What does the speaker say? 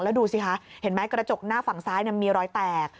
แล้วดูสิคะเห็นไหมกระจกหน้าฝั่งซ้ายมีรอยแตก